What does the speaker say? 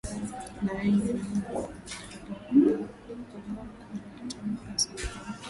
na wengi ni wale ambao wanaendelea kubakwa hata tangu ile siku ya ya